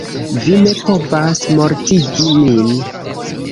Vi ne povas mortigi min!